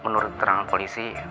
menurut terang polisi